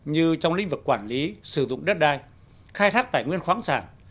như trong lĩnh vực quản lý sử dụng đất đai khai thác tài nguyên khoáng sản